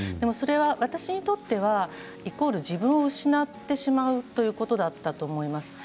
私にとってはイコール自分を失ってしまうということだったと思います。